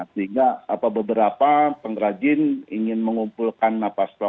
sehingga beberapa pengrajin ingin mengumpulkan pasokan